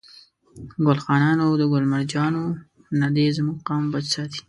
ګل خانانو او ده ګل مرجانو نه دي زموږ قام بچ ساتي.